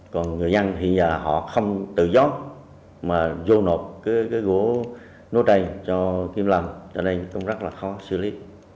còn người dân thì họ không tự do mà vô nộp cái gỗ nốt đầy cho kim lâm cho nên cũng rất là khó xử lý